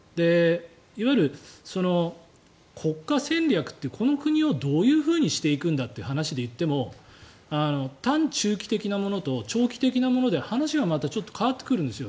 いわゆる国家戦略というこの国をどういうふうにしていくんだという話でいっても短中期的なものと長期的なものでは話がまた変わってくるんです。